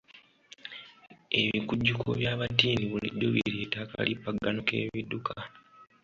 Ebikujjuko by'abattiini bulijjo bireeta akalipagano k'ebidduka.